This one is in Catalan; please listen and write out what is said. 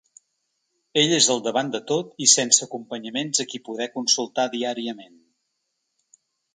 Ell és al davant de tot i sense acompanyaments a qui poder consultar diàriament.